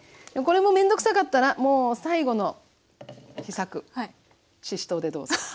これも面倒くさかったらもう最後の秘策ししとうでどうぞ。